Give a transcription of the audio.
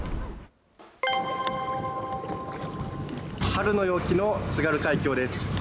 春の陽気の津軽海峡です。